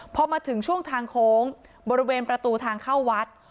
พอมาถึงช่วงทางโค้งบริเวณประตูทางเข้าวัด